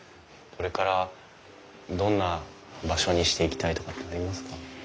これからどんな場所にしていきたいとかってありますか？